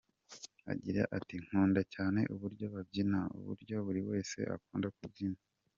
Agira ati “Nkunda cyane uburyo babyina, uburyo buri wese akunda kubyina.